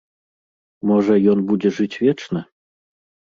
Можа, ён будзе жыць вечна?